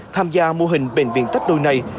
tham gia mô hình bệnh viện tách đôi này